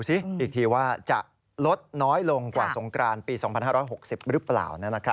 สิอีกทีว่าจะลดน้อยลงกว่าสงกรานปี๒๕๖๐หรือเปล่า